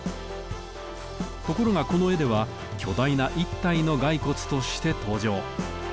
ところがこの絵では巨大な１体の骸骨として登場。